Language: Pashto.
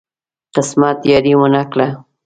قسمت یاري ونه کړه.